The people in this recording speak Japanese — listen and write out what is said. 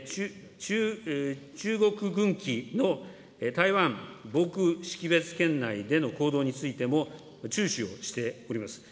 中国軍機の台湾防空識別圏内での行動についても注視をしております。